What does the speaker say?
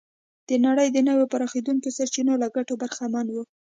د نړۍ د نویو پراخېدونکو سرچینو له ګټو برخمن و.